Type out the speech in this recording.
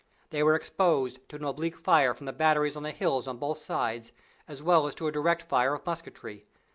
They were exposed to an oblique fire from the batteries on the hills on both sides, as well as to a direct fire of musketry.